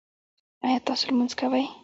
ایا تاسو لمونځ کوئ؟